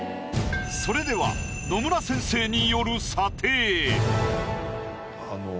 それでは野村先生による。